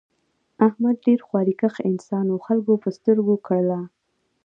احمد ډېر خواریکښ انسان و خلکو په سترگو کړلا.